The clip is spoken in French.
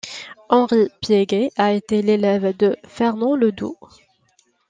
Henri Piégay a été l'élève de Fernand Ledoux.